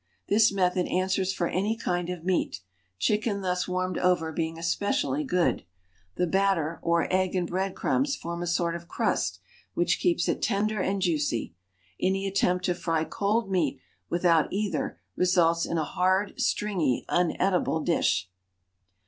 This method answers for any kind of meat, chicken thus warmed over being especially good. The batter, or egg and bread crumbs form a sort of crust which keeps it tender and juicy. Any attempt to fry cold meat without either results in a hard, stringy, uneatable dish.